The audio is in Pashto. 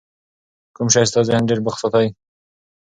کوم شی ستا ذهن ډېر بوخت ساتي؟